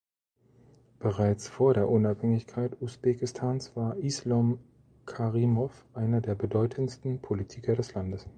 Bereits vor der Unabhängigkeit Usbekistans war Islom Karimov einer der bedeutendsten Politiker des Landes.